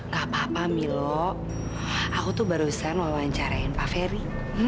gak apa apa milo aku tuh barusan wawancarain pak ferry